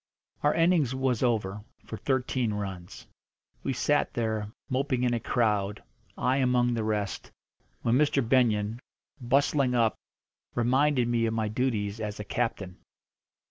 Our innings was over for thirteen runs. We sat there, moping in a crowd, I among the rest, when Mr. Benyon, bustling up, reminded me of my duties as a captain.